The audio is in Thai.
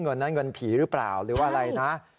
เงินนั้นเงินผีหรือเปล่าหรือว่าอะไรนะ